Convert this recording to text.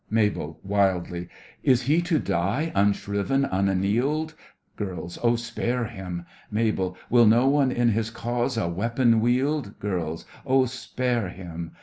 MABEL: (wildly) Is he to die, unshriven, unannealed? GIRLS: Oh, spare him! MABEL: Will no one in his cause a weapon wield? GIRLS: Oh, spare him!